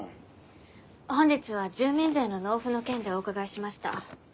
本日は住民税の納付の件でお伺いしました。